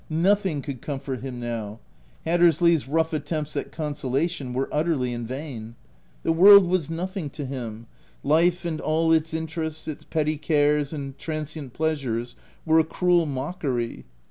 Nothing could comfort him now : Hattersley's rough attempts at con solation were utterly in vain. The world was nothing to him : life and all its interests, its petty cares and transient pleasures were a cruel mockery.